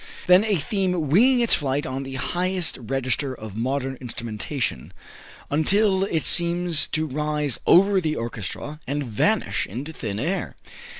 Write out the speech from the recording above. Then a theme winging its flight on the highest register of modern instrumentation, until it seems to rise over the orchestra and vanish into thin air.